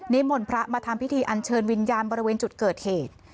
มนต์พระมาทำพิธีอันเชิญวิญญาณบริเวณจุดเกิดเหตุ